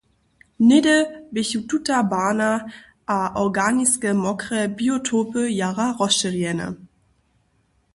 Něhdy běchu tute bahna a organiske mokre biotopy jara rozšěrjene.